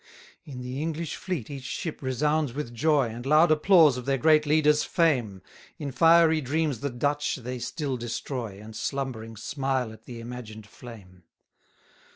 69 In the English fleet each ship resounds with joy, And loud applause of their great leader's fame: In fiery dreams the Dutch they still destroy, And, slumbering, smile at the imagined flame.